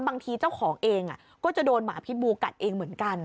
บางทีเจ้าของเองก็จะโดนหมาพิษบูกัดเองเหมือนกัน